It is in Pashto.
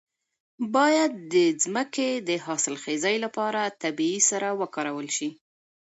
باید د ځمکې د حاصلخیزۍ لپاره طبیعي سره وکارول شي.